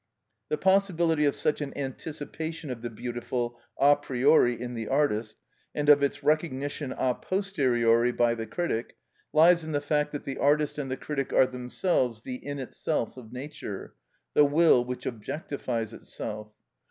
The possibility of such an anticipation of the beautiful a priori in the artist, and of its recognition a posteriori by the critic, lies in the fact that the artist and the critic are themselves the "in itself" of nature, the will which objectifies itself.